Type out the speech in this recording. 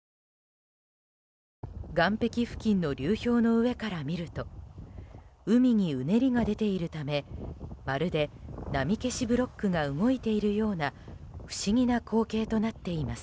岸壁付近の流氷の上から見ると海にうねりが出ているためまるで波消しブロックが動いているような不思議な光景となっています。